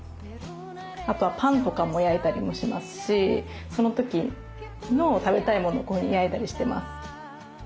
あとはパンとかも焼いたりもしますしその時の食べたいものをこういうふうに焼いたりしてます。